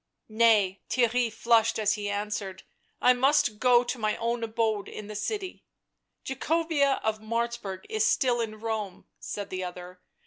" Nay," — Theirry flushed as he answered —" I must go to my own abode in the city." " Jacobea of Martzburg is still in Rome," said the other.